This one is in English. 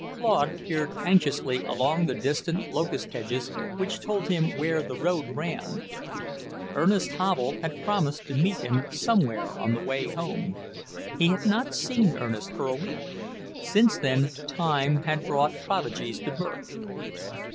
Claude peered anxiously along the distant locust hedges which told where the road ran. Ernest Havel had promised to meet him somewhere on the way home. He had not seen Ernest for a week: since then Time had brought prodigies to birth.